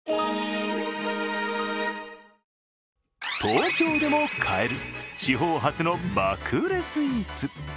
東京でも買える地方発の爆売れスイーツ。